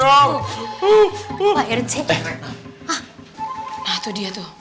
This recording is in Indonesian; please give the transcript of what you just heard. nah itu dia tuh